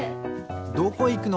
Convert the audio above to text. どこいくの？